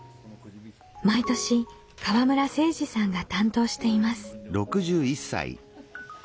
毎年河村政二さんが担当しています。